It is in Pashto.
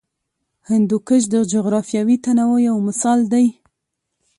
هندوکش د جغرافیوي تنوع یو مثال دی.